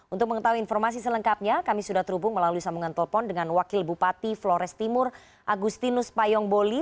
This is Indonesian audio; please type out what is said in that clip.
untuk mengetahui informasi selengkapnya kami sudah terhubung melalui sambungan telepon dengan wakil bupati flores timur agustinus payongboli